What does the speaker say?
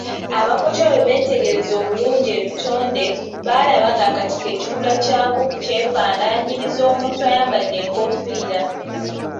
Abaakoca bwe beetegereza obulungi ebitonde, baalaba ng’akatiko ekikula kyako kyefaanaaniriza omuntu ayambadde enkoofiira.